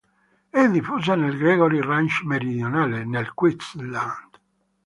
È diffusa nel Gregory Range meridionale, nel Queensland.